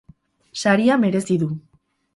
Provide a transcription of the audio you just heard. Saria merezi du